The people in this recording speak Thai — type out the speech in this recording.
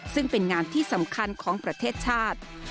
ซึ่งเป็นงานที่สำคัญของประเทศชาติ